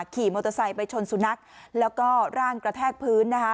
ขี่มอเตอร์ไซค์ไปชนสุนัขแล้วก็ร่างกระแทกพื้นนะคะ